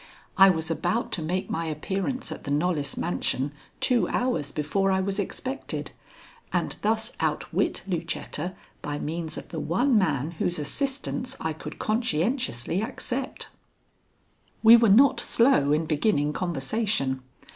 I was about to make my appearance at the Knollys mansion two hours before I was expected, and thus outwit Lucetta by means of the one man whose assistance I could conscientiously accept. We were not slow in beginning conversation.